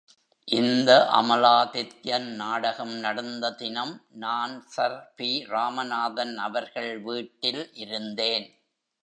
இந்த அமலாதித்யன் நாடகம் நடந்த தினம் நான் சர்.பி.ராமநாதன் அவர்கள் வீட்டில் இருந்தேன்.